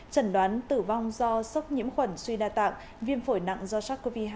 trần đoán tử vong do sốc nhiễm khuẩn suy đa tạng viêm phổi nặng do sars cov hai